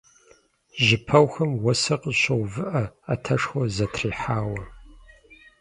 Жьыпэухэм уэсыр къыщоувыӀэ, Ӏэтэшхуэу зэтрихьауэ.